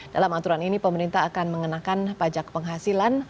dalam aturan ini pemerintah akan mengenakan pajak penghasilan